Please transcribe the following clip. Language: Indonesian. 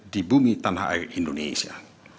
di bumi tanah air indonesia